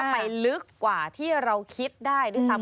ไปลึกกว่าที่เราคิดได้ด้วยซ้ำ